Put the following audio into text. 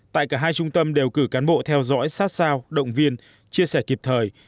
tại cả hai trung tâm đều cử cán bộ theo dõi sát sao động viên chia sẻ kịp thời